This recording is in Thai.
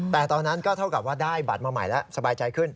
แต่ตอนนั้นก็เท่ากับว่าได้บัตรมาใหม่แล้วสบายใจขึ้น